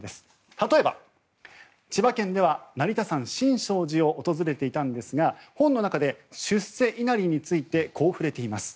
例えば、千葉県では成田山新勝寺を訪れていたんですが本の中で出世いなりについてこう触れています。